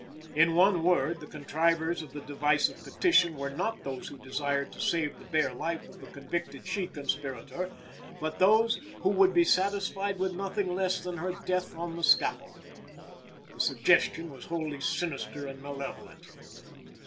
In one word, the contrivers of the device of petition were not those who desired to save the bare life of the convicted she conspirator, but were those who would be satisfied with nothing less than her death on the scaffold. The suggestion was wholly sinister and malevolent.